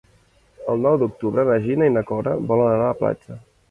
El nou d'octubre na Gina i na Cora volen anar a la platja.